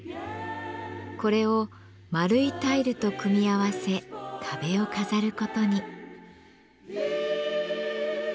これを丸いタイルと組み合わせ壁を飾る事に。